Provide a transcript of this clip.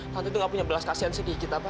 tante tuh gak punya belas kasihan sedikit apa